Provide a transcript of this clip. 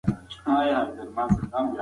موږ په خیر سره لندن ته ورسیدو.